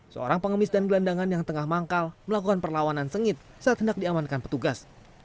seorang pengemis dan gelandangan yang tengah manggal melakukan perlawanan sengit saat hendak diamankan petugas